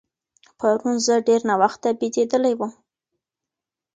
پرون زه ډېر ناوخته بېدېدلی وم.